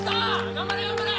頑張れ頑張れ！